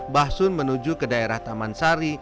basun menuju ke daerah taman sari